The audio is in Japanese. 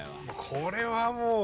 これはもう！